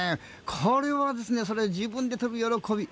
これを自分で取る喜び。